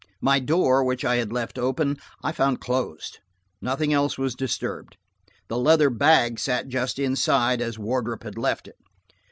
My door, which I had left open, I found closed; nothing else was disturbed. The leather bag sat just inside, as Wardrop had left it.